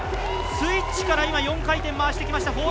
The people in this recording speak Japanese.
スイッチから今４回転回してきました。